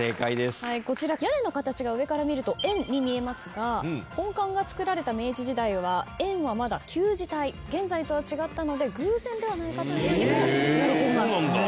こちら屋根の形が上から見ると「円」に見えますが本館が造られた明治時代は「円」はまだ旧字体現在とは違ったので偶然ではないかというふうにもいわれています。